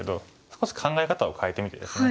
少し考え方を変えてみてですね